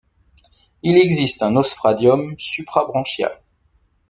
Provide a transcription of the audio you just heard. Il existe un osphradium supra-branchial.